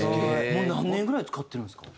もう何年ぐらい使ってるんですか？